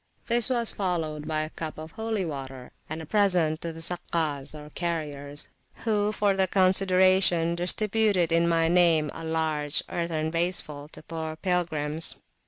This was followed by a cup of holy water and a present to the Sakkas, or carriers, who for the consideration distributed, in my name, a large earthen vaseful to poor pilgrims.